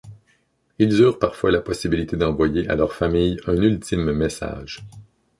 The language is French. Ils eurent parfois la possibilité d’envoyer à leur famille un ultime message.